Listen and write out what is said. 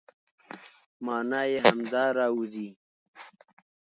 مانا يې همدا راوځي،